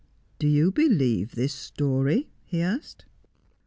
' Do you believe tin's story ?' he asked.